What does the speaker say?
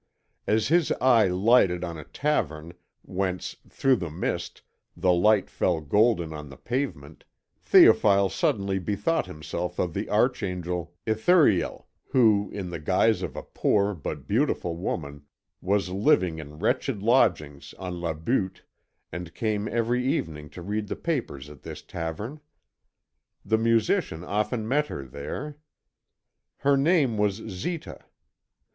As his eye lighted on a tavern, whence, through the mist, the light fell golden on the pavement, Théophile suddenly bethought himself of the Archangel Ithuriel who, in the guise of a poor but beautiful woman, was living in wretched lodgings on La Butte and came every evening to read the papers at this tavern. The musician often met her there. Her name was Zita.